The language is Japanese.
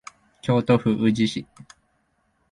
京都府宇治市